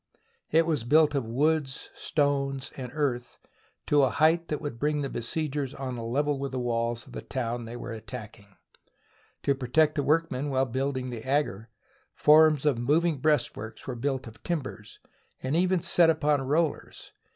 It was built of wood, stones, and earth, to a height that would bring the besiegers on a level with the walls of the town they were attacking. To protect the workmen while building the agger, forms of moving breastworks were built of timbers, and even set upon rollers.